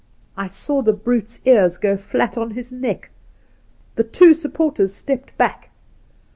I saw the brute's ears go flat on his neck. The two supporters stepped back.